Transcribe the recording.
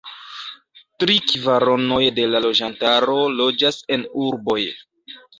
Tri kvaronoj de la loĝantaro loĝas en urboj.